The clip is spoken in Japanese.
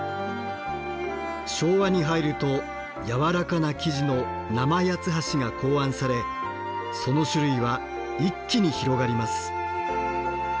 昭和に入るとやわらかな生地の生八ツ橋が考案されその種類は一気に広がります。